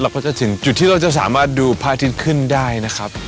ก็จะถึงจุดที่เราจะสามารถดูพระอาทิตย์ขึ้นได้นะครับ